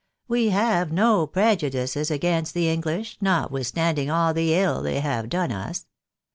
We have no prejudices against the English, notwithstanding all the iU they have done us.